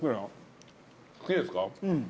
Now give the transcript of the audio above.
うん。